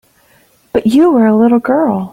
But you were a little girl.